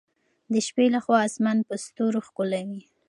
د شپې له خوا اسمان په ستورو ښکلی وي.